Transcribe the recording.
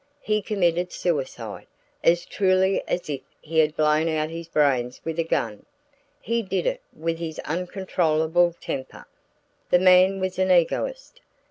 He committed suicide as truly as if he had blown out his brains with a gun. He did it with his uncontrollable temper. The man was an egoist.